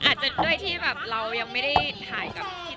อาจจะด้วยที่เรายังไม่ได้ถ่ายกับพี่ต้อง